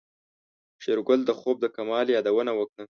شېرګل د خوب د کموالي يادونه وکړه.